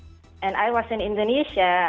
dan saya berada di indonesia